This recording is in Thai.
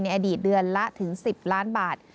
อดีตเดือนละถึง๑๐ล้านบาท